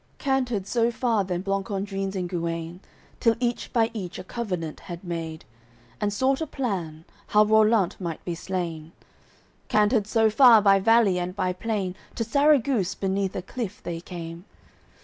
AOI. XXXI Cantered so far then Blancandrins and Guene Till each by each a covenant had made And sought a plan, how Rollant might be slain. Cantered so far by valley and by plain To Sarraguce beneath a cliff they came.